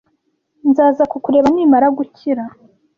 Nzaza kukureba nimara gukira.